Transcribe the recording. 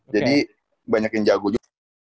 jadi banyak yang jago juga